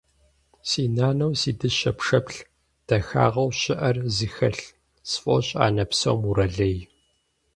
Си нанэу си дыщэ пшэплъ, дахагъэу щыӏэр зыхэлъ, сфӏощӏ анэ псом уралей.